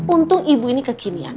untung ibu ini kekinian